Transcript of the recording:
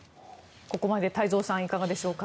ここまで太蔵さんいかがでしょうか。